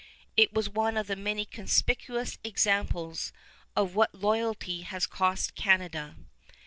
It is one of the many conspicuous examples of what loyalty has cost Canada.